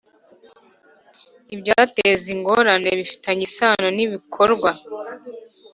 ibyateza ingorane bifitanye isano n’ibikorwa.